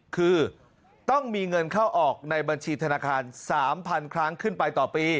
คือต้องมีเงินเข้าออกในบัญชีธนาคาร๓๐๐๐ครั้งขึ้นไปต่อปี